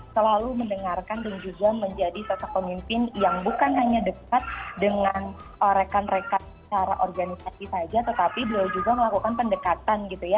selalu mendengarkan dan juga menjadi sosok pemimpin yang bukan hanya dekat dengan rekan rekan secara organisasi saja tetapi beliau juga melakukan pendekatan gitu ya